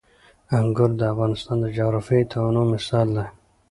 انګور د افغانستان د جغرافیوي تنوع مثال دی.